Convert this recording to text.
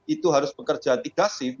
itu harus bekerja tiga shift